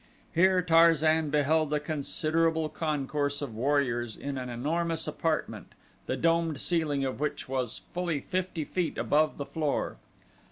Here Tarzan beheld a considerable concourse of warriors in an enormous apartment, the domed ceiling of which was fully fifty feet above the floor.